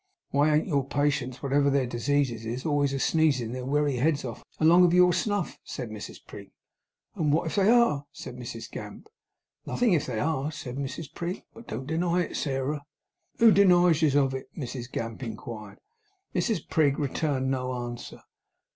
'Why, ain't your patients, wotever their diseases is, always asneezin' their wery heads off, along of your snuff?' said Mrs Prig. 'And wot if they are!' said Mrs Gamp 'Nothing if they are,' said Mrs Prig. 'But don't deny it, Sairah.' 'Who deniges of it?' Mrs Gamp inquired. Mrs Prig returned no answer.